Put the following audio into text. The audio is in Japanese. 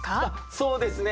そうですね